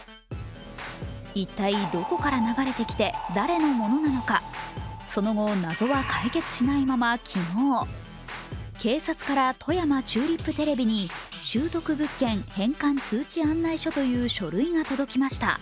一体、どこから流れてきて、誰のものなのか、その後、謎は解決しないまま昨日警察から富山チューリップテレビに拾得物件返還通知案内書という書類が届きました、